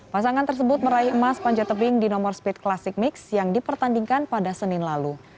pasangan tersebut meraih emas panjat tebing di nomor speed classic mix yang dipertandingkan pada senin lalu